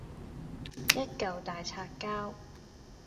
一嚿大擦膠